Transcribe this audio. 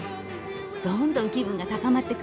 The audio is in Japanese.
どんどん気分が高まってくるの。